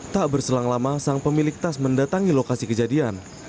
tak berselang lama sang pemilik tas mendatangi lokasi kejadian